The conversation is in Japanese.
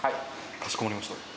かしこまりました。